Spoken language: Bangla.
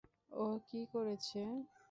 ও কী করেছে?